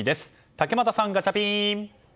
竹俣さん、ガチャピン！